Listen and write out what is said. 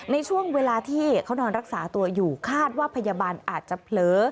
ในช่วงเวลาที่เขานอนรักษาตัวอยู่คาดว่าพยาบาลอาจจะเผลอ